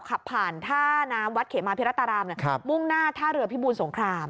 ขับผ่านท่าน้ำวัดเขมาพิรัตรารามมุ่งหน้าท่าเรือพิบูรสงคราม